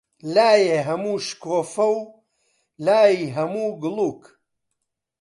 لایێ هەموو شکۆفە و، لایی هەموو گوڵووک